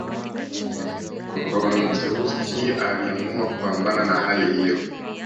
Von Zelewski aliamua kupambana na hali hiyo